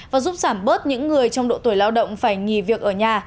và giúp giảm bớt những người trong độ tuổi lao động phải nghỉ việc ở nhà